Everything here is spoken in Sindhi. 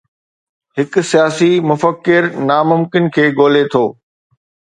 هڪ سياسي مفڪر ناممڪن کي ڳولي ٿو.